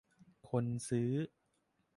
คนซื้อ